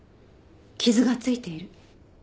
傷が付いている。